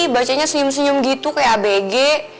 bacanya senyum senyum gitu kayak abg